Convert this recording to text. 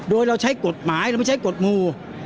โดยเราใช้กฎหมายเราไม่ใช้กฎหมู่